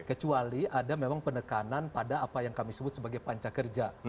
kecuali ada memang penekanan pada apa yang kami sebut sebagai panca kerja